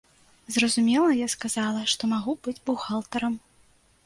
Зразумела, я сказала, што магу быць бухгалтарам.